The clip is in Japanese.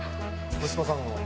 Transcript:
息子さんが。